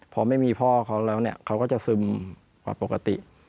พอไม่มีพ่อเขาแล้วเนี่ยเขาก็จะซึมกว่าปกติ